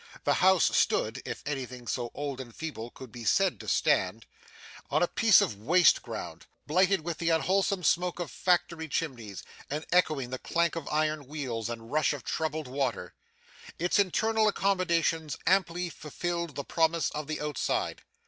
The house stood if anything so old and feeble could be said to stand on a piece of waste ground, blighted with the unwholesome smoke of factory chimneys, and echoing the clank of iron wheels and rush of troubled water. Its internal accommodations amply fulfilled the promise of the outside.